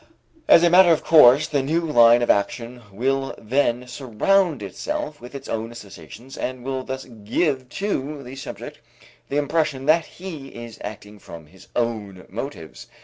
As a matter of course the new line of action will then surround itself with its own associations and will thus give to the subject the impression that he is acting from his own motives.